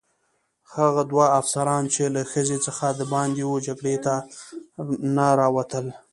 هغه دوه افسران چې له خزې څخه دباندې وه جګړې ته نه راوتل.